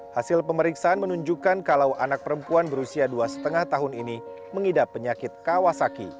hasil pemeriksaan menunjukkan kalau anak perempuan berusia dua lima tahun ini mengidap penyakit kawasaki